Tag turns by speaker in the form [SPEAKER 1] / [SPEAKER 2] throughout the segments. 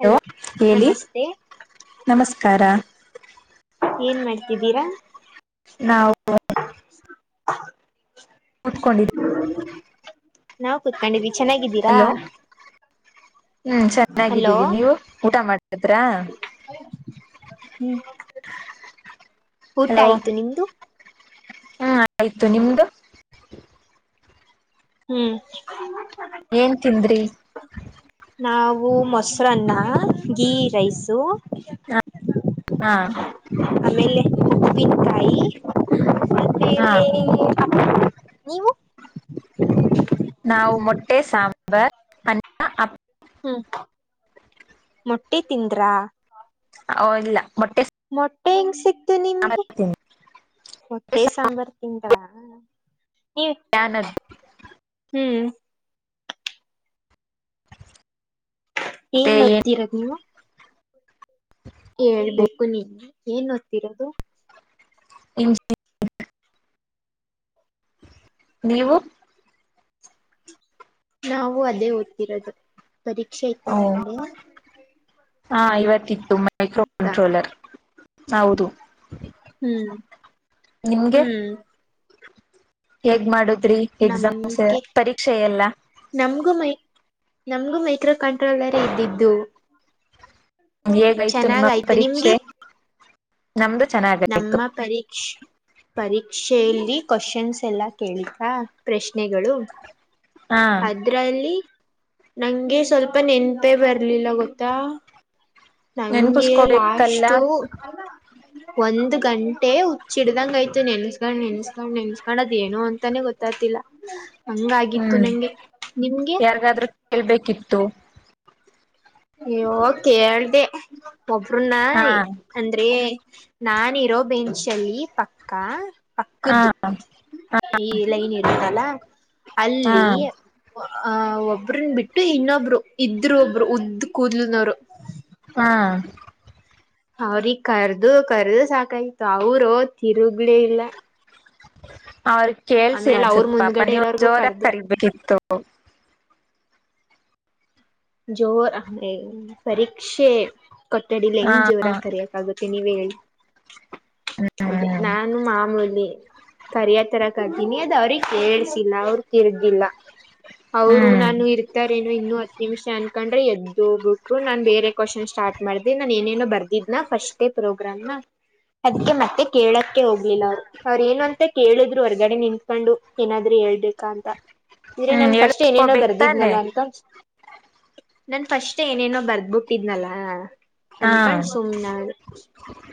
[SPEAKER 1] Hello ಹೇಳಿ
[SPEAKER 2] ನಮಸ್ತೆ
[SPEAKER 1] ನಮಸ್ಕಾರ.
[SPEAKER 2] ಏನ್ ಮಾಡ್ತಿದ್ದೀರಾ.
[SPEAKER 1] ನಾವ್ ವು.
[SPEAKER 2] ಹ
[SPEAKER 1] ಕುತ್ಕೊಂಡಿದ್.
[SPEAKER 2] ನಾವ್ ಕುತ್ಕೊಂಡಿದ್ವಿ ಚೆನ್ನಾಗಿದ್ದೀರಾ.
[SPEAKER 1] ಹ್ಮ್
[SPEAKER 2] ಹಲೋ
[SPEAKER 1] ಚೆನ್ನಾಗಿದ್ದೀವಿ ನೀವು ಊಟ ಮಾಡುದ್ರ.
[SPEAKER 2] ಹ್ಮ್ ಊಟ ಆಯ್ತು ನಿಮ್ದು.
[SPEAKER 1] ಹ್ಮ ಆಯ್ತು ನಿಮ್ದು.
[SPEAKER 2] ಹ್ಮ್
[SPEAKER 1] ಏನ್ ತಿಂದ್ರಿ
[SPEAKER 2] ನಾವು ಮೊಸರನ್ನ ಗೀ ರೈಸು.
[SPEAKER 1] ಹ ಹಾ
[SPEAKER 2] ಆಮೇಲೆ ಉಪ್ಪಿನ್ಕಾಯಿ.
[SPEAKER 1] ಹಾ
[SPEAKER 2] ಸ್ವಲ್ಪೆಲ್ಲಿ ನೀವು.
[SPEAKER 1] ನಾವು ಮೊಟ್ಟೆ ಸಾಂಬಾರ್ ಅನ್ನ ಅ.
[SPEAKER 2] ಹ್ಮ್ ಮೊಟ್ಟೆ ತಿಂದ್ರ.
[SPEAKER 1] ಹೊ ಇಲ್ಲ ಮೊಟ್ಟೆ.
[SPEAKER 2] ಮೊಟ್ಟೆ ಹೆಂಗ್ ಸಿಕ್ತು
[SPEAKER 1] ಸಾಂಬಾರ್
[SPEAKER 2] ನಿಮ್ಗೆ
[SPEAKER 1] ತಿಂದ್ವಿ
[SPEAKER 2] ಮ. ಟೆ ಸಾಂಬಾರ್ ತಿಂದ್ರಾ. ನೀವ್
[SPEAKER 1] ಯಾನದ್.
[SPEAKER 2] ಹ್ಮ್ ಏನ್ ಓದ್ತಿರದ್ ನೀವು. ಹೇಳ್ಬೇಕು ನೀನ್ ಏನ್ ಓದ್ತಿರದು.
[SPEAKER 1] ಇ [unintelligible] ನೀವು
[SPEAKER 2] ನಾವು ಅದೇ ಓದ್ತಿರೋದು ಪರೀಕ್ಷೆ ಇತ್ತ
[SPEAKER 1] ಓ
[SPEAKER 2] ನಿಮ್ಗೆ.
[SPEAKER 1] ಹಾ ಇವತ್ತಿತ್ತು ಮೈಕ್ರೋ
[SPEAKER 2] ಇತ್ತಾ
[SPEAKER 1] ಕಂಟ್ರೋಲರ್ ಹೌದು.
[SPEAKER 2] ಹ್ಮ್
[SPEAKER 1] ನಿಮ್ಗೆ
[SPEAKER 2] ಹ್ಮ್
[SPEAKER 1] ಹೇಗ್ ಮಾಡುದ್ರಿ ಎಕ್ಸಾಮ್ಸ್
[SPEAKER 2] ನಮ್ಗೆ
[SPEAKER 1] ಪರೀಕ್ಷೆ ಎಲ್ಲ.
[SPEAKER 2] ನಮ್ಗು ಮೈಕ್ರೋ ಕಂಟ್ರೋಲರ್ರೆ ಇದ್ದಿದ್ದು.
[SPEAKER 1] ಹೇಗಾಯ್ತು ನಿಮ್ಮ
[SPEAKER 2] ಚೆನ್ನಾಗಾಯ್ತು
[SPEAKER 1] ಪರೀಕ್ಷೆ
[SPEAKER 2] ನಿಮ್ಗೆ.
[SPEAKER 1] ನಮ್ದು ಚೆನ್ನಾಗಾಯ್ತು
[SPEAKER 2] ನಮ್ಮ ಪರೀಕ್ಷ್ ಪರೀಕ್ಷೆಯಲ್ಲಿ ಕ್ವಶನ್ಸ್ ಎಲ್ಲ ಕೇಳ್ತಾ ಪ್ರಶ್ನೆಗಳು.
[SPEAKER 1] ಹಾ
[SPEAKER 2] ಅದ್ರಲ್ಲಿ ನಂಗೆ ಸ್ವಲ್ಪ ನೆನ್ಪೆ ಬರ್ಲಿಲ್ಲ ಗೊತ್ತಾ. ನಂಗೆ
[SPEAKER 1] ನೆನ್ಪುಸ್ಕೋಬೇಕಲ್ಲ
[SPEAKER 2] ಲಾಸ್ಟು ಒಂದ್ ಗಂಟೆ ಹುಚ್ಚಿಡ್ದಂಗ್ ಆಯ್ತು ನೆನ್ಸ್ಕೊಂಡ್ ನೆನ್ಸ್ಕೊಂಡ್ ನೆನ್ಸ್ಕೊಂಡ್ ಅದೆನೋ ಅಂತಾನೆ ಗೊತ್ತಾಯ್ತಿಲ್ಲ. ಹಂಗಾಗಿತ್ತು
[SPEAKER 1] ಹ್ಮ್
[SPEAKER 2] ನಂಗೆ ನಿಮ್ಗೆ.
[SPEAKER 1] ಯಾರ್ಗಾದ್ರೂ ಕೇಳ್ಬೇಕಿತ್ತು.
[SPEAKER 2] ಅಯ್ಯೋ ಕೇಳ್ದೆ ಒಬ್ರನ್ನ
[SPEAKER 1] ಹಾ
[SPEAKER 2] ಅಂದ್ರೆ. ನಾನಿರೋ ಬೆಂಚಲ್ಲಿ ಪಕ್ಕ.
[SPEAKER 1] ಹಾ
[SPEAKER 2] ಅಕ್ಕ್ದು ಈ ಲೈನ್ ಇರುತ್ತಲ್ಲ
[SPEAKER 1] ಹಾ
[SPEAKER 2] ಅಲ್ಲಿ. ಆಹ ಒಬ್ರನ್ ಬಿಟ್ಟು ಇನ್ನೊಬ್ರು ಇದ್ರು ಒಬ್ರು ಉದ್ದ ಕೂದ್ಲನವ್ರು.
[SPEAKER 1] ಹಾ
[SPEAKER 2] ಅವ್ರಿಗ್ ಕರ್ದು ಕರ್ದು ಸಾಕಾಯ್ತು ಅವ್ರು ತಿರುಗ್ಲೆ ಇಲ್ಲ.
[SPEAKER 1] ಅವ್ರಗ್ ಕೇಳ್ಸ
[SPEAKER 2] ಆಮೇಲೆ ಅವ್ರ
[SPEAKER 1] ಅನ್ಸತ್ ಪಾಪ
[SPEAKER 2] ಮುಂದ್ಗಡೆ
[SPEAKER 1] ನೀವು
[SPEAKER 2] ಇರೋರ್ಗೂ
[SPEAKER 1] ಜೋರಾಗ್
[SPEAKER 2] ಕರ್ದೆ
[SPEAKER 1] ಕರಿಬೇಕಿತ್ತು.
[SPEAKER 2] ಜೋರಾ ಏ ಪರೀಕ್ಷೆ. ಕೊಠಡಿಲ್
[SPEAKER 1] ಹಾ
[SPEAKER 2] ಹೆಂಗ್ ಜೋರ ಕರಿಯಕ ಆಗುತ್ತೆ ನೀವೆ ಹೇಳಿ. ಅದೇ
[SPEAKER 1] ಹ್ಮ್
[SPEAKER 2] ನಾನು ಮಾಮೂಲಿ. ಕರಿಯ ತರ ಕರ್ದಿನಿ ಅದ್ ಅವ್ರಿಗೆ ಕೇಳ್ಸಿಲ್ಲ ಅವ್ರತಿರ್ಗಿಲ್ಲ. ಅವ್ರು
[SPEAKER 1] ಹ್ಮ್
[SPEAKER 2] ನಾನು ಇರ್ತಾರೇನೋ ಇನ್ನೂ ಅಲ್ ನಿಮ್ಷ ಅನ್ಕಡ್ರೆ ಎದ್ ಹೋಗ್ ಬಿಟ್ರು ನಾನ್ ಬೇರೆ ಕ್ವಶನ್ ಸ್ಟಾರ್ಟ್ ಮಾಡ್ದಿ ನಾನ್ ಏನೇನ ಬರ್ದಿದ್ನಾ ಫಸ್ಟೇ. ಪ್ರೋಗ್ರಾಮ್ನ ಅದಕ್ಕೆ ಮತ್ತೆ ಕೇಳಕ್ಕೆ ಹೋಗ್ಲಿಲ್ಲ ಅವ್ರು ಅವ್ರ ಏನು ಅಂತ ಕೇಳಿದ್ರು ಹೊರ್ಗಡೆ ನಿಂತ್ಕೊಂಡು ಏನಾದ್ರಿ. ಹೇಳ್ಬೇಕಾ ಅಂತ ಇದ್ರೆ
[SPEAKER 1] ಹ್ಮ್
[SPEAKER 2] ನನ್ ಫಸ್ಟ್ ಏನೇನೋ
[SPEAKER 1] ಹೇಳುಸ್ಕೋಬೇಕ್ ತಾನೆ
[SPEAKER 2] ಬರ್ದಿದ್ನಲ್ಲ ಅಂತ. ನನ್ ಫಸ್ಟೆ ಏನೇನೋ ಬರ್ದಬುಟ್ಟಿದ್ನಲ್ಲ.
[SPEAKER 1] ಹಾ
[SPEAKER 2] ಅನ್ಕಕಂಡ್ ಸುಮ್ನಾದೆ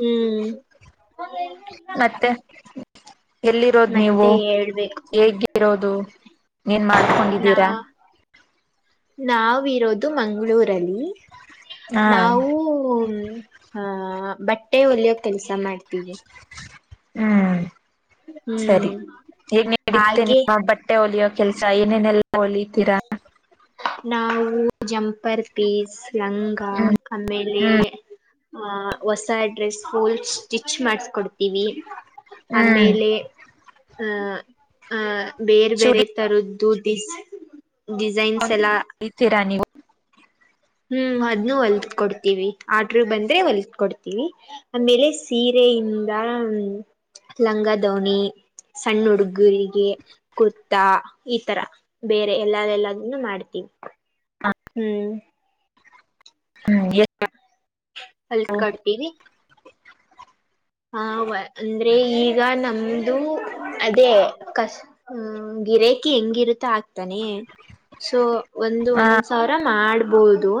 [SPEAKER 2] ಹ್ಮ್.
[SPEAKER 1] ಮತ್ತೆ ಎಲ್ಲಿರೋಡ್ ನೀವು
[SPEAKER 2] ಮತ್ತೆ ಹೇಳ್ಬೇಕು
[SPEAKER 1] ಹೇಗಿರೋದು ನೀನ್
[SPEAKER 2] ನಾ
[SPEAKER 1] ಮಾಡ್ಕೊಂಡಿದ್ದೀರಾ.
[SPEAKER 2] ನಾವಿರೋದು ಮಂಗ್ಳೂರಲ್ಲಿ
[SPEAKER 1] ಹಾ
[SPEAKER 2] ನಾವು. ಹಾ ಬಟ್ಟೆ ಒಲಿಯೋ ಕೆಲ್ಸ ಮಾಡ್ತೀವಿ.
[SPEAKER 1] ಹ್ಮ್ ಸರಿ
[SPEAKER 2] ಹ್ಮ್
[SPEAKER 1] ಹೇಗ್ ನಡತೇ
[SPEAKER 2] ಹಾಗೆ
[SPEAKER 1] ನಿಮ್ಮ ಬಟ್ಟೆ ಹೊಲಿಯೊ ಕೆಲ್ಸ ಏನೇನೆಲ್ಲಾ ಹೊಲಿತೀರಾ.
[SPEAKER 2] ನಾವು ಜಂಪರ್ ಪೀಸ್ ಲಂಗ
[SPEAKER 1] ಹ್ಮ್
[SPEAKER 2] ಆಮೇಲೆ.
[SPEAKER 1] ಹ್ಮ್
[SPEAKER 2] ಹ ಹೊಸ ಡ್ರೆಸ್ ಫುಲ್ ಸ್ಟಿಚ್ ಮಾಡಸ್ಕೊಡ್ತೀವಿ.
[SPEAKER 1] ಹ್ಮ್
[SPEAKER 2] ಆಮೇಲೆ ಆ ಬೇರೆ ಬೇರೆ
[SPEAKER 1] ಚೂಡಿ
[SPEAKER 2] ತರದ್ದು ದಿಸ್ ಡಿಸೈನ್ಸ್. ಎಲ್ಲಾ
[SPEAKER 1] ತಿರಾ ನೀವು
[SPEAKER 2] ಹ್ಮ್ ಅದನ್ನು ಹೊಲ್ದ್ ಕೊಡ್ತೀವಿ ಆಡ್ರು ಬಂದ್ರೆ ಹೊಲ್ದ್ ಕೊಡ್ತಿವಿ ಆಮೇಲೆ ಸೀರೆ. ಇಂದ ಲಂಗಧೋಣಿ. ಸಣ್ಣ ಹುಡುಗುರಿಗೆ ಕುರ್ತಾ ಈ ತರ ಬೇರೆ ಎಲ್ಲ ಎಲ್ಲದನ್ನ ಮಾಡ್ತೀವಿ. ಹ್ಮ್
[SPEAKER 1] ಹ್ಮ್ ಎ
[SPEAKER 2] ಹಲ್ ಕಟ್ತೀನಿ ಹವ ಅಂದ್ರೆ ಈಗ ನಮ್ದು. ಅದೇ ಕಸ್ ಗಿರಾಕಿ ಹೆಂಗಿರುತ ಆಗ್ತಾನೆ ಸೊ, ಒಂದು
[SPEAKER 1] ಹ
[SPEAKER 2] ಒಂದ್ ಸಾವಿರ ಮಾಡ್ಬೋದು.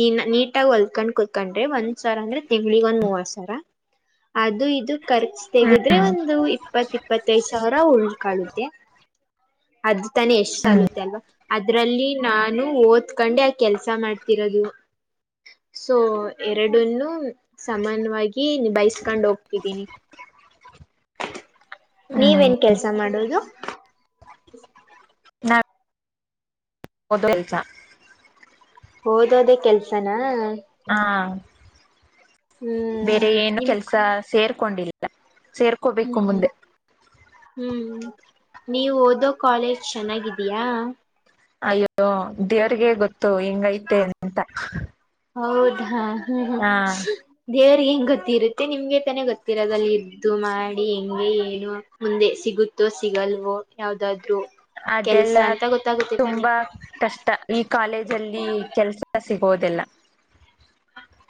[SPEAKER 2] ದಿನ ನೀಟಾಗಿ ಹೊಲ್ಕೊಂಡ್ ಕುೂತ್ಕೊಂಡ್ರಿ ಒಂದ್ ಸಾವರ ಅಂದ್ರೆ ತಿಂಗಳಿಗ್ ಒಂದ್ ಮೂವತ್ತು ಸಾವಿರ. ಅದು ಇದು ಖರ್ಚು ತೆೆಗೆದ್ರೆ
[SPEAKER 1] ಹ್ಮ್
[SPEAKER 2] ಒಂದು ಇಪ್ಪತ್ ಇಪ್ಪತ್ತೈದ್ ಸಾವಿರ ಉಳಿ ಕಳುತ್ತೆ ಅರ್ಜು ತಾನೇ ಎಷ್ಟು ಸಾಲುತ್ತೆ ಅಲ್ವಾ. ಅದ್ರಲ್ಲಿ ನಾನು ಓದ್ಕೊಂಡೆ ಆ ಕೆಲ್ಸ ಮಾಡ್ತಿರೋದು. ಸೊ ಎರಡನ್ನು ಸಮಾನವಾಗಿ ನಿಬಾಯಸ್ಕೊಂಡ್ ಹೋಗ್ತಿದ್ದೀನಿ.
[SPEAKER 1] ಹ್ಮ್
[SPEAKER 2] ನೀವೇನ್ ಕೆಲ್ಸ ಮಾಡೋದು.
[SPEAKER 1] ಬದರ್ ಲಚ್ಚ.
[SPEAKER 2] ಓದೋದೇ ಕೆಲ್ಸನಾ,
[SPEAKER 1] ಹಾ
[SPEAKER 2] ಹ್ಮ್
[SPEAKER 1] ಬೇರೆ ಏನು
[SPEAKER 2] ನಿಮ್
[SPEAKER 1] ಕೆಲ್ಸ ಸೇರ್ಕೊಂಡಿಲ್ಲ. ಸೇರ್ಕೋಬೇಕು
[SPEAKER 2] ಹ್ಮ್ ಹ್ಮ್
[SPEAKER 1] ಮುಂದೆ
[SPEAKER 2] ಹ್ಮು ನೀವು ಓದೋ ಕಾಲೇಜ್ ಚೆನ್ನಾಗಿದೀಯಾ.
[SPEAKER 1] ಅಯ್ಯೋ ದೇವ್ರಿಗೆ ಗೊತ್ತು ಹಿಂಗೈತೆೇ ಅಂತ.
[SPEAKER 2] ಹೌದಾ ಹ ದೇವರುಗೇನ್ ಗೋತ್ತು ಇರುತ್ತೆ ನಿಮ್ಗೆ ತಾನೆ ಗೊತ್ತ ರದಲ್ಲಿ ಇದ್ದು ಮಾಡಿ. ಹೇ ಹೆಂಗೆ ಏನು ಮುಂದೆ ಸಿಗುತ್ತೋ ಸಿಗಲ್ವೋ ಯಾವದಾದ್ರು.
[SPEAKER 1] ಅದೆಲ್ಲ ತುಂಬಾ ಕಷ್ಟ ಈ ಕಾಲೇಜಲ್ಲಿ ಕೆಲ್ಸ ಸಿಗೋದಿಲ್ಲ.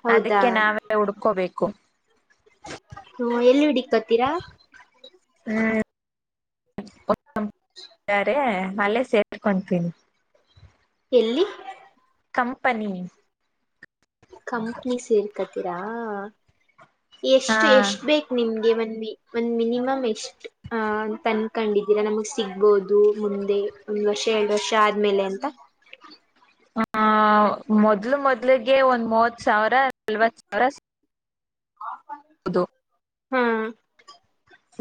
[SPEAKER 2] ಹೌದಾ
[SPEAKER 1] ಅದಕ್ಕೆ ನಾವೇ ಹುಡ್ಕೋಬೇಕು.
[SPEAKER 2] ಹ್ಮ ಎಲ್ಲಿ ಹಿಡಿಕತ್ತೀರಾ
[SPEAKER 1] ಹ್ಮ ಬೇರೆ ಮಲ್ಲೆ ಸೇರ್ಕೊತೀನಿ.
[SPEAKER 2] ಎಲ್ಲಿ
[SPEAKER 1] ಕಂಪನಿ
[SPEAKER 2] ಕಂಪ್ನಿ ಸೇರ್ಕತೀರಾ
[SPEAKER 1] ಹಾ
[SPEAKER 2] ಎಷ್ಟು ಎಷ್ಟ ಬೇಕ ನಿಮ್ಗೆ ಮ ಒಂದ್ ಮಿನಿಮಮ್ ಎಷ್ಟ್ ಅ ತಂದುಕೊಂಡಿದ್ದೀರಾ ನಮಗ್ ಸಿಗ್ಬೋದು ಮುಂದೆ. ಒಂದ್ ವರ್ಷ ಎರಡ್ ವರ್ಷ ಆದ್ಮೇಲೆ ಅಂತ.
[SPEAKER 1] ಹ ಮೊದ್ಲು ಮೊದ್ಲಿಗೆ ಒಂದ್ ಮೂವತ್ ಸಾವಿರ ನಲ್ವತ್ ಸಾವಿರ ಸಿಗ್ಬೋದು
[SPEAKER 2] ಹ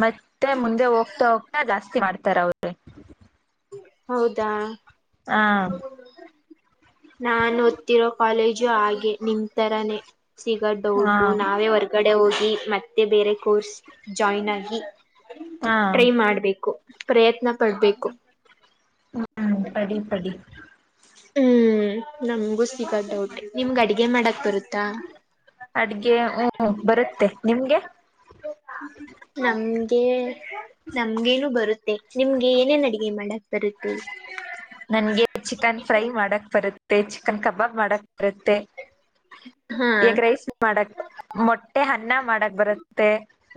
[SPEAKER 1] ಮತ್ತೆ ಮುಂದೆ ಹೋಗ್ತಾ ಹೋಗ್ತಾ ಜಾಸ್ತಿ ಮಾಡ್ತಾರ ಅವ್ರೆ.
[SPEAKER 2] ಹೌದಾ
[SPEAKER 1] ಹಾ
[SPEAKER 2] ನಾನು ಓದ್ತ್ತಿರೋ ಕಾಲೇಜು ಹಾಗೆ ನಿನ್ ತರಾನೇ. ಸಿಗದು
[SPEAKER 1] ಹಾ
[SPEAKER 2] ಡೌಟು ನಾವೇ ಹೊರರ್ಗಡೆ ಹೋಗಿ ಮತ್ತೆ ಬೇರೆ ಕೋರ್ಸ್ ಜಾಯಿ್ನ್ ಆಗಿ.
[SPEAKER 1] ಹಾ
[SPEAKER 2] ಟ್ರೈ ಮಾಡ್ಬೇಕು ಪ್ರಯತ್ನ ಪಡುಬೇಕು.
[SPEAKER 1] ಹ್ಮ್ ಪಡಿ ಪಡಿ
[SPEAKER 2] ಹ್ಮ್ ನಮಗೂ ಸಿಗೋದು ಡೌಟೇ ನಿಮ್ಗ್ ಅಡುಗೆ ಮಾಡಕ್ ಬರುತ್ತಾ.
[SPEAKER 1] ಅಡ್ಗೆ ಹ್ಮ ಬರುತ್ತೆ ನಿಮ್ಗೆ.
[SPEAKER 2] ನಮ್ಗೆ ನಮ್ಗೇನು ಬರುತ್ತೆ ನಿಮ್ಗೆ ಏನೇನ್ ಅಡುಗೆ ಮಾಡಕ್ ಬರುತ್ತೆ.
[SPEAKER 1] ನನ್ಗೆ ಚಿಕನ್ ಫ್ರೈ ಮಾಡಕ್ ಬರುತ್ತೆ ಚಿಕನ್ ಕಬಾಬ್ ಮಾಡಕ್ ಬರುತ್ತೆ.
[SPEAKER 2] ಹ
[SPEAKER 1] ಈಗ ರೈಸ್ ಮಾಡಕ್ ಮೊಟ್ಟೆ ಅನ್ನ ಮಾಡಕ್ ಬರುತ್ತೆ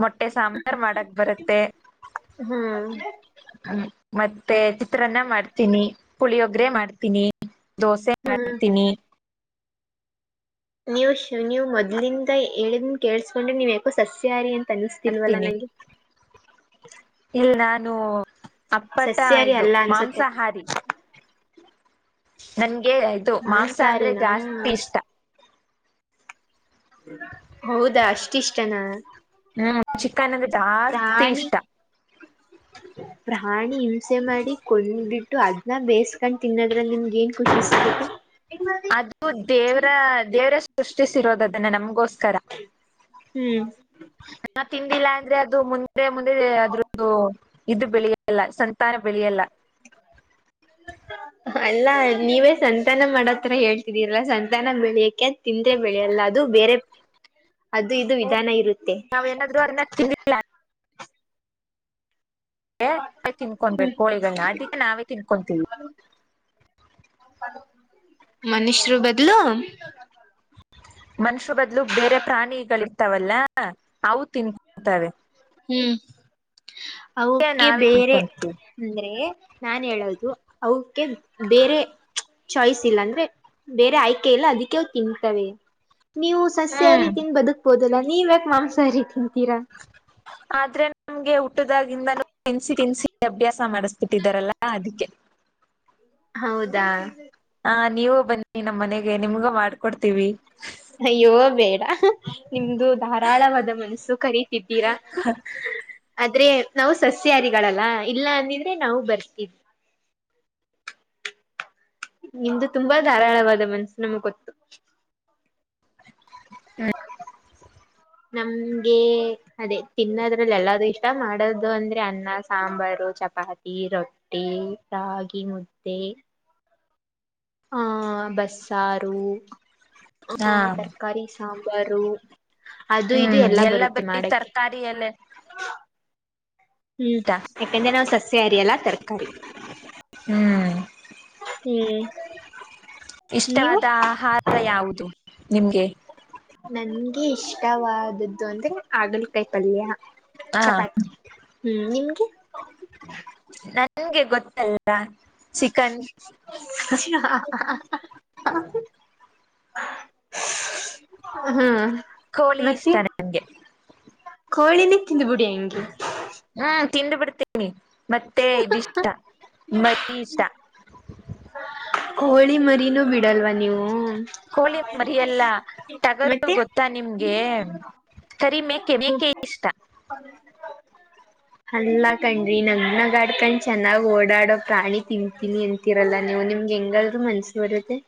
[SPEAKER 1] ಮೊಟ್ಟೆ ಸಾಂಬಾರ್ ಮಾಡಕ್ ಬ ಬರುತ್ತೆ.
[SPEAKER 2] ಹ್ಮ್ ಹೇ
[SPEAKER 1] ಹ್ಮ್, ಮತ್ತೆ ಚಿತ್ರಾನ್ನ ಮಾಡ್ತೀನಿ ಪುಳಿಯೊಗ್ರೆ ಮಾಡ್ತೀನಿ. ದೋಸೆ
[SPEAKER 2] ಹಾ
[SPEAKER 1] ಮಾಡ್ತೀನಿ
[SPEAKER 2] ನೀವು ಶೂನಿ ಮೊದ್ಲಿಂದ ಹೇಳಿದನ್ ಕೇಳಸ್ಕೊಂಡ್ರೆ ನೀವ್ ಯಾಕೋ ಸಸ್ಯಹಾರಿ ಅ ಕಾಣುಸಿತ್ತಿ‍ಲ್ಲ
[SPEAKER 1] ಮಾಡ್ತೀನಿ
[SPEAKER 2] ನನಗೆ.
[SPEAKER 1] ನೋ ಅಪ್ಪಟ ಇದು
[SPEAKER 2] ಅಲ್ಲ ಅನ್ಸುತ್ತೆ
[SPEAKER 1] ಮಾಂಸಾಹಾರಿ. ನನ್ಗೆ ಅದು ಮಾಂಸ ಅಂದ್ರೆ
[SPEAKER 2] ಮಾಂಸಾರಿನಾ
[SPEAKER 1] ಜಾಸ್ತಿ ಇಷ್ಟ.
[SPEAKER 2] ಹೌದಾ ಅಷ್ಟಿ ಇಷ್ಟನಾ.
[SPEAKER 1] ಹ್ಮ್ ಚಿಕನ್ ಅಂದ ಜಾಸ್ತಿ ಇಷ್ಟ.
[SPEAKER 2] ಪ್ರಾಣಿ ಹಿಂಸೆ ಮಾಡಿ ಕೊಂದುಬಿಟ್ಟು. ಅದ್ನ ಬೇಯಸ್ಕೊಂಡ್ ತಿನ್ನೋದ್ರಲ್ಲಿ ನಿಮ್ಗೆ ಏನ್ ಖುಷಿಸಿಗುತ್ತೆ.
[SPEAKER 1] ಅದು ದೇವ್ರ ದೇವ್ರ ಸೃಷ್ಟಿಸಿರೋದ ಅದನ್ನ ನಮ್ಗೋಸ್ಕರ
[SPEAKER 2] ಹ್ಮ್
[SPEAKER 1] ನಾ ತಿಂದಿಲ್ಲ ಅಂದ್ರೆ ಅದು ಮುಂದೆ ಮುಂದೆ ಅದ್ರದ್ದು. ಇದು ಬೆಳೆಯಲ್ಲ ಸಂತಾನ ಬೆಳೆಯಲ್ಲ.
[SPEAKER 2] ಹ [inaudible] ಅಲ್ಲಾ ನೀವೇ ಸಂತಾನ ಮಾಡೋತ್ರ ಹೇಳ್ತಿದೀರಲ್ಲ ಸಂತಾನ ಬೆಳಿಯಕ್ಕೆ ತಿಂದ್ರೆ ಬೆಳೆಯಲ್ಲ ಅದು ಬೇರೆ ಅದು ಇದು ವಿಧಾನ ಇರುತ್ತೆ.
[SPEAKER 1] ನಾವ್ ಏನಾದ್ರು ಅರ್ನಕ್ ಲ ತಿಂದಿಲ್ಲ. ಹೇ
[SPEAKER 2] ಹ್ಮ
[SPEAKER 1] ತಿನ್ಕೊಬೇಕು ಕೋಳಿಗಳನ್ನ ನಾಟಿದು ನಾವೇ ತಿನ್ಕೊತೀವಿ.
[SPEAKER 2] ಮನುಷ್ಯರು ಬದಲು
[SPEAKER 1] ಮನುಷ್ಯ ಬದ್ಲು ಬೇರೆ ಪ್ರಾಣಿಗಳಿರ್ತಾವಲ್ಲ ಅವು ತಿನ್ಕ ತವೆ.
[SPEAKER 2] ಹ್ಮ್ ಅವಕ್ಕೆ
[SPEAKER 1] ನಾವೇ
[SPEAKER 2] ಬೇರೆ
[SPEAKER 1] ತಿನ್ಕೊಂತೀವಿ
[SPEAKER 2] ಅಂದ್ರೆ. ನಾನು ಹೇಳೋದು ಅವುಕ್ಕೆ ಬೇರೆ ಚಾಯ್ಸ್ ಇಲ್ಲ ಅಂದ್ರೆ ಬೇರೆ ಆಯ್ಕೆ ಇಲ್ಲ ಅದಕ್ಕೆ ತಿಂತವೆ. ನೀವು ಸಸ್ಯಹಾರೀ
[SPEAKER 1] ಹ್ಮ್
[SPEAKER 2] ತಿಂದು ಬದುಕ್ಬೋದಲ್ಲಾ ನೀವು ಯಾಕೆ ಮಾಂಸಾಹಾರೀ ತಿಂತೀರಾ.
[SPEAKER 1] ಆದ್ರೆ ನಮ್ಗೆ ಹುಟದಾಗಿಂದನ ತಿನ್ಸಿ ತಿನ್ಸಿ ಅಭ್ಯಾಸ ಮಾಡಿಸುಬಿಟ್ಟಿದಾರಲ್ಲಾ ಅದಕ್ಕೆ.
[SPEAKER 2] ಹೌದಾ
[SPEAKER 1] ಹಾ ನೀವು ಬನ್ನಿ ನಮ್ಮ್ ಮನೆಗೆ ನಿಮ್ಗ ಮಾಡ್ಕೊಡ್ತೀವಿ.
[SPEAKER 2] ಅಯ್ಯೋ ಬೇಡ ನಿಮ್ದು ಧಾರಾಳವಾದ ಮನಸ್ಸು ಕರಿತಿದ್ದೀರಾ. ಆದ್ರೆ ನಾವು ಸಸ್ಯಾರಿಗಳಲ್ಲ ಇಲ್ಲ ಅಂದಿದ್ರೆ ನಾವು ಬರ್ತಿದ್ವಿ. ನಿಮ್ದು ತುಂಬಾ ಧಾರಾಳವಾದ ಮನಸ್ಸು ನಮ್ಗ್ಗೊತ್ತು.
[SPEAKER 1] ಹ್ಮ
[SPEAKER 2] ನಮ್ಗೆ ಅದೇ ತಿನ್ನದ್ರಲ್ಲಿ ಎಲ್ಲಾದೂ ಇಷ್ಟ ಮಾಡೋದು ಅಂದ್ರೆ ಅನ್ನ ಸಾಂಬಾರು ಚಪಾತಿ ರೊಟ್ಟಿ ರಾಗಿ ಮುದ್ದೆ ಹ ಬಸ್ಸಾರು
[SPEAKER 1] ಹಾ
[SPEAKER 2] ಹ ತರಕಾರಿ ಸಾಂಬ ಬರು ಅದು ಇದು
[SPEAKER 1] ಹ್ಮ್
[SPEAKER 2] ಎಲ್ಲಾ
[SPEAKER 1] ಎಲ್ಲ
[SPEAKER 2] ಬರುತ್ತೆ
[SPEAKER 1] ಬರೀ
[SPEAKER 2] ಮಾಡಕ್ಕೆ.
[SPEAKER 1] ತರಕಾರಿ ಎಲ್ಲ
[SPEAKER 2] ಹ್ಮ್ ಯಾಕಂದ್ರೆ ನಾವ್ ಸಸ್ಯ ಹಾರಿ ಅಲ್ಲಾ ತರಕಾರಿ.
[SPEAKER 1] ಹ್ಮ್
[SPEAKER 2] ಹ್ಮ್ ನೀವು
[SPEAKER 1] ಇಷ್ಟವಾದ ಆಹಾರ ಯಾವುದು ನಿಮ್ಗೆ
[SPEAKER 2] ನನ್ಗೆ ಇಷ್ಟವಾದದ್ದು ಅಂದ್ರೆ ಹಾಗಲಕಾಯ ಪಲ್ಯ.
[SPEAKER 1] ಹಾ
[SPEAKER 2] ಚಪಾತಿ ಹ್ಮ್ ನಿಮ್ಗೆ.
[SPEAKER 1] ನಂಗೆ ಗೊತ್ತಲ್ಲ ಚಿಕನ್
[SPEAKER 2] ಹ [unintelligible] ಹ್ಮ
[SPEAKER 1] ಕೋಳಿ
[SPEAKER 2] ಮತ್ತೆ
[SPEAKER 1] ಇಷ್ಟ ನನ್ಗೆ
[SPEAKER 2] ಕೋಳಿನ ತಿಂದು ಬಿಡಿ ಹಂಗೆ.
[SPEAKER 1] ಹ್ಮ್ ತಿಂದು ಬಿಡ್ತೀನಿ ಮತ್ತೆ ಇದು ಇಷ್ಟ ಮರೀ ಇಷ್ಟ
[SPEAKER 2] ಕೊಳಿ ಮರಿನೂ ಬಿಡಲ್ವ ನೀವು.
[SPEAKER 1] ಕೋಳಿ ಮರಿಯಲ್ಲ ಟಗರು
[SPEAKER 2] ಮತ್ತೆ
[SPEAKER 1] ಗೊತ್ತಾ ನಿಮ್ಗೆ. ಕರಿ ಮೇಕೆ ಮೇಕೆ ಇಷ್ಟ.
[SPEAKER 2] ಅಲ್ಲಾ ಕಣ್ರಿ ನಗ್ನ ಗಾಡ್ಕಂಡ್ ಚೆನ್ನಾಗ್ ಓಡಾಡೋ ಪ್ರಾಣಿ ತಿಂತೀನಿ ಅಂತಿರಲ್ಲಾ ನೀವು. ನಿಮ್ಗೆ ಹೆಂಗಾದ್ರೂ ಮನಸ್ಸು ಬರುತ್ತೆ.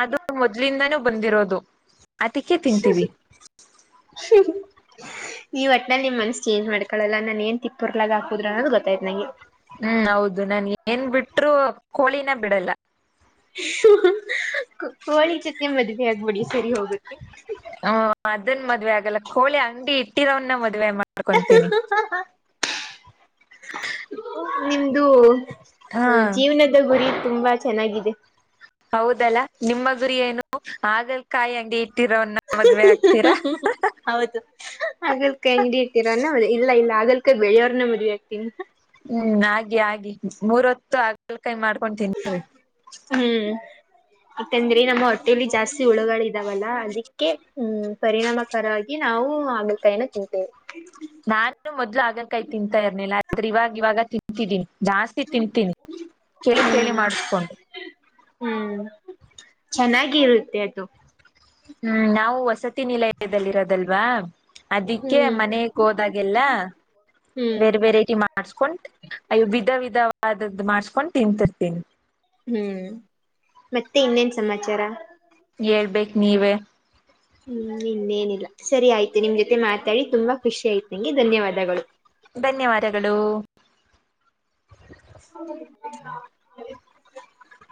[SPEAKER 1] ಅದು ಮೊದ್ಲಿಂದಾನೂ ಬಂದಿರೋದು ಅದಕ್ಕೆೇ ತಿಂತೀವಿ.
[SPEAKER 2] ಹ್ಮ ಈ ವಟ್ನ ನಿಮ್ ಮನ್ಸ್ಸ ಚೇಂಜ್ ಮಾಡ್ಕೊಳ್ಳಲ್ಲ ನಾನ್ ಏನ್ ತಿಪ್ಪುರ್ಲಾಗ ಹಾಕುದ್ರು ಅನ್ನೋದು ಗೊತ್ತಾಯ್ತ್ ನಂಗೆ.
[SPEAKER 1] ಹ್ಮ್ ಹೌದು ನಾನ್ ಏನ್ ಬಿಟ್ರರು ಕೋಳಿನ ಬಿಡಲ್ಲ.
[SPEAKER 2] ಕೋಳಿ ಜೊತೆ ಮದುವೆ ಆಗ್ಬಿಡಿ ಸರಿ ಹೋಗುತ್ತೆ.
[SPEAKER 1] ಹ ಅದನ್ ಮದ್ವೆ ಆಗಲ್ಲ ಕೋಳಿ ಅಂಗಡಿ ಇಟ್ಟಿರವನ್ನ ಮದ್ ಮಾಡ್ಕೊಂತೀನಿ
[SPEAKER 2] ನಿಮ್ದು
[SPEAKER 1] ಹಾ
[SPEAKER 2] ಅ ಜೀವನದ ಗುರಿ ತುಂಬಾ. ಚೆನ್ನಾಗಿದೆ
[SPEAKER 1] ಹೌದಲ್ಲಾ ನಿಮ್ಮ ಗುರಿ ಏನು ಹಾಗಲ್ ಕಾಯಿ ಅಂಗಡಿ ಇಟ್ಟಿರೋನ್ನ ಮದ್ವೆ. ಆಗ್ತೀರಾ
[SPEAKER 2] ಹೌದು ಹಗಲಕಾಯಿ ಅಂಗಡಿ ಇರ್ತೀರೌ ಇಲ್ಲ ಇಲ್ಲ ಹಾಗ ಬೆಯೋರ್ನೆ ಮದುವೆ ಆಗ್ತಿನಿ.
[SPEAKER 1] ಹ್ಮ್ ಹಾಗಿ ಆಗಿ ಮೂರು ಹೊತ್ತು ಹಾಗಲಕಾಯಿ ಮಾಡ್ಕೊತಿನ್ರಿ.
[SPEAKER 2] ಹ್ಮ್ ಯಾಕಂದ್ರೆ ನಮ್ಮ ಹೊಟ್ಟೇಲಿ ಜಾಸ್ತಿ ಹುಳುಗಳ ಇದಾವಲ್ಲ ಅದಕ್ಕೆ ಹ್ಮ್ ಪರಿಣಾಮಕರ ಆ ಈ ನಾವು ಹಾಗಲ್ ಕಾಯಿನ ತಿಂತೇವೆ.
[SPEAKER 1] ನಾನು ಮೊದ್ಲು ಹಾಗಲಕಾಯಿ ತಿಂತಾ ಇರ್ನಿಲ್ಲ ಆದ್ರೆ ಇವಾಗ ಇವಾಗ ತಿಂತಿದ್ದೀನಿ. ಜಾಸ್ತಿ ತಿಂತೀನಿ ಚಳಿ ಚಳಿ ಮಾಡಿಸುಕೊಂಡು
[SPEAKER 2] ಹ್ಮ್ ಚೆನ್ನಾಗಿರುತ್ತೆ ಅದು.
[SPEAKER 1] ಹ್ಮ್ ನಾವು ವಸತಿ ನಿಲಯದಲ್ಲಿರೋದಲ್ವಾ. ಅದಕ್ಕೆ
[SPEAKER 2] ಹ್ಮ್
[SPEAKER 1] ಮನೆಗೆ ಹೋದಗೆಲ್ಲ
[SPEAKER 2] ಹ್ಮ್
[SPEAKER 1] ಬೇರ್ ವೆರೈಟಿ ಮಾಡ. ಮಾಡಸ್ಕೊಂಡ್ ಅಲ್ ವಿಧ ವಿಧವಾದದ್ದು ಮಾಡ್ಸ್ಕೊಂಡ್ ತಿಂರ್ತೀನಿ.
[SPEAKER 2] ಹ್ಮ್ ಮತ್ತೆ ಇನ್ನೇನ್ ಸಮಾಚಾರ
[SPEAKER 1] ಹೇಳ್ಬೇಕು ನೀವೇ
[SPEAKER 2] ಹ್ಮ್ ಇನ್ನೇನಿಲ್ಲ ಸರಿ ಆಯ್ತು ನಿಮ್ ಜೊತೆ ಮಾತಾಡಿ ತುಂಬಾ ಖುಷಿ ಆಯ್ತು ಧನ್ಯವಾದಗಳು
[SPEAKER 1] ಧನ್ಯವಾದಗಳು
[SPEAKER 2] ಹ [inaudible]